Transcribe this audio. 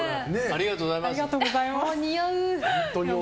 ありがとうございます。